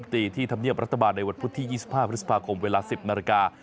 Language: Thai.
ที่ทำเนียมรัฐบาลในวัตถุที่๒๕พฤษภาคมเวลา๑๐นาที